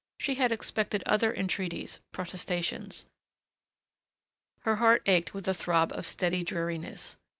She had expected other entreaties ... protestations.... Her heart ached with a throb of steady dreariness.